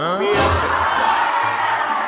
มียพี่พองกับด้วย